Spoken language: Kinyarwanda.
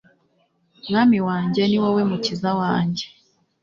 mwami wanjye, ni wowe mukiza wanjye